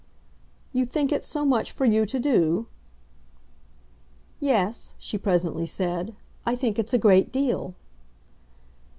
"You think it so much for you to do?" "Yes," she presently said, "I think it's a great deal."